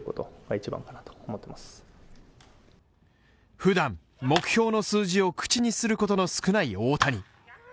普段、目標の数字を口にすることの少ない大谷